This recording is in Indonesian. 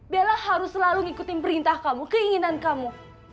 bella harus selalu ngikutin perintah kamu keinginan kamu